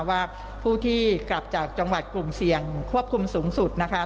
ว่าผู้ที่กลับจากจังหวัดกลุ่มเสี่ยงควบคุมสูงสุดนะคะ